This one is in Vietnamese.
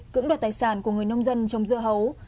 cưỡng đoạt tài sản của người nông dân trồng dưa hấu